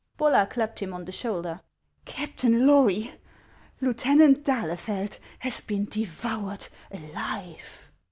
Bollar clapped him on the shoulder. " Captain Lory, Lieutenant d'Ahlefeld has been de voured alive."